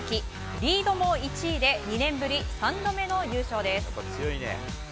リードも１位で２年ぶり３度目の優勝です。